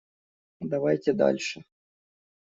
Давайте дальше.